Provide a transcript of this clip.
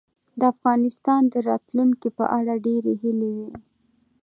د افغانستان د راتلونکې په اړه ډېرې هیلې وې.